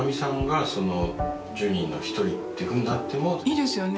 いいですよね